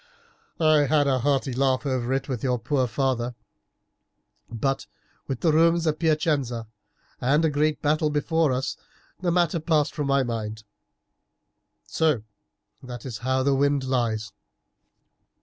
I had a hearty laugh over it with your poor father, but with the Romans at Piacenza and a great battle before us the matter passed from my mind. So that is how the wind lies.